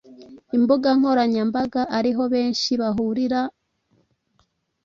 imbuga nkoranyambaga ariho benshi bahurira n